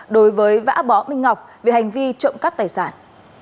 đối với vã bỏ minh ngọc về hành vi trộm cắt tài sản